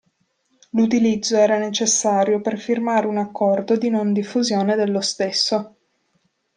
L'utilizzo era necessario per firmare un accordo di non-diffusione dello stesso.